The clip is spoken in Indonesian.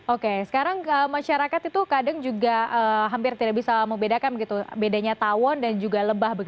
oke sekarang masyarakat itu kadang juga hampir tidak bisa membedakan bedanya tawon dan juga lebah